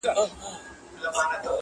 ده هم آس كړ پسي خوشي په ځغستا سو.!